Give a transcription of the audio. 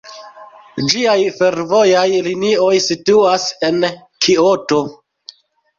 Ĝiaj fervojaj linioj situas en Kioto.